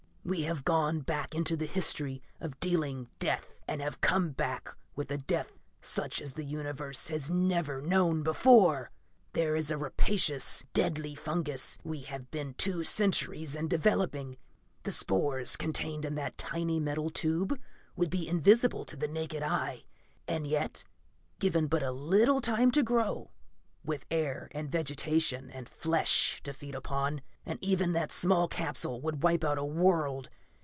"We have gone back into the history of dealing death and have come back with a death such as the Universe has never known before! "Here is a rapacious, deadly fungus we have been two centuries in developing. The spores contained in that tiny metal tube would be invisible to the naked eye and yet given but a little time to grow, with air and vegetation and flesh to feed upon, and even that small capsule would wipe out a world.